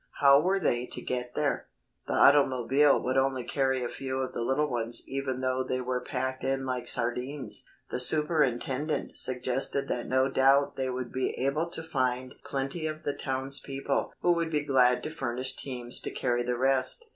How were they to get there? The automobile would only carry a few of the little ones even though they were packed in like sardines. The superintendent suggested that no doubt they would be able to find plenty of the townspeople who would be glad to furnish teams to carry the rest.